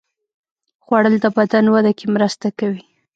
خوړل د بدن وده کې مرسته کوي